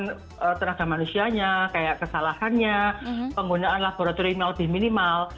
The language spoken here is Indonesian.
kemudian tenaga manusianya kayak kesalahannya penggunaan laboratorium yang lebih minimal